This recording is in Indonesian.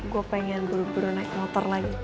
gue pengen buru buru naik motor lagi